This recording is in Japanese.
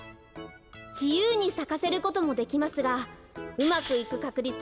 じゆうにさかせることもできますがうまくいくかくり